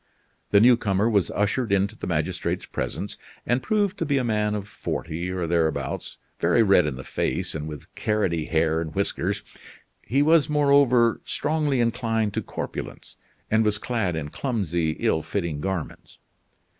The newcomer was ushered into the magistrate's presence and proved to be a man of forty or thereabouts, very red in the face and with carroty hair and whiskers. He was, moreover, strongly inclined to corpulence, and was clad in clumsy, ill fitting garments.